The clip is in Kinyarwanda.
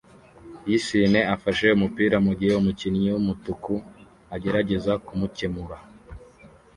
yisine afashe umupira mugihe umukinnyi wumutuku agerageza kumukemura